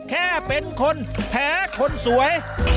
แค่เป็นคนแพ้คนสวย